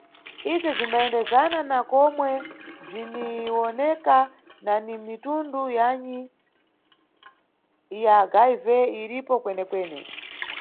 Ibzwo bzwimbayendezana na komwe bzwiniwoneka na ni mitundu yanyi ya HIV iripo kwenekwene.